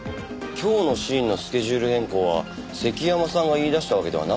今日のシーンのスケジュール変更は関山さんが言い出したわけではなかったんですか？